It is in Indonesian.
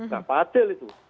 kenapa adil itu